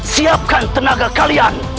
siapkan tenaga kalian